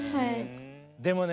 でもね